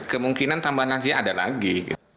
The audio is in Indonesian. kemungkinan tambahan lansia ada lagi